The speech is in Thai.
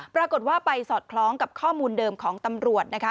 ปรากฏว่าไปสอดคล้องกับข้อมูลเดิมของตำรวจนะคะ